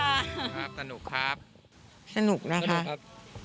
สนุกมากค่ะสนุกครับสนุกนะครับสนุกครับ